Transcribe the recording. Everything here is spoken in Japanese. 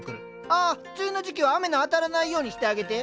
あっ梅雨の時期は雨の当たらないようにしてあげて。